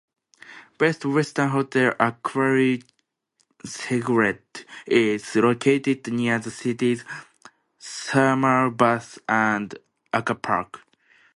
Best Western Hotel Aquarell Cegled is located near the city's Thermal Bath and Aquapark.